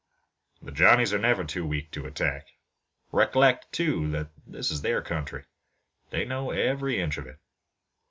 "The Johnnies are never too weak to attack. Rec'lect, too, that this is their country, and they know every inch of it.